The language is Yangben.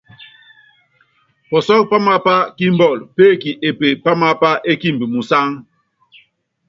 Pɔsɔ́k pámaapá kí imbɔ́l péeki epé pám aápá é kiimb musáŋ.